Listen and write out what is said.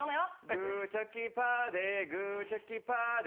「グーチョキパーでグーチョキパーで」